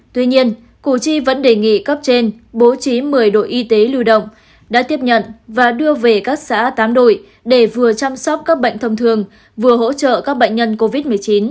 tuy nhiên cử tri vẫn đề nghị cấp trên bố trí một mươi đội y tế lưu động đã tiếp nhận và đưa về các xã tám đội để vừa chăm sóc các bệnh thông thường vừa hỗ trợ các bệnh nhân covid một mươi chín